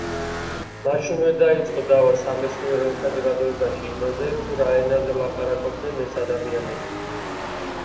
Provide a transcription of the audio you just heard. მაშინვე დაიწო დავა სამეცნიერო საზოგადოებაში იმაზე, თუ რა ენაზე ლაპარაკობდნენ ეს ადამიანები.